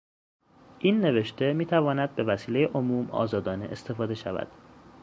این نوشته میتواند به وسیلهٔ عموم آزادانه استفاده شود.